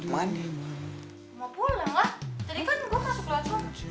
tadi kan gue langsung keluar